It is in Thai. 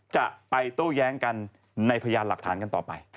จะไปโต้แย้งกันในพยานหลักฐานกันต่อไป